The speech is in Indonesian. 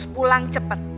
harus pulang cepet